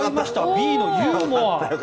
Ｂのユーモア。